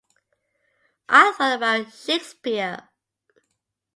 I thought about Shakespeare.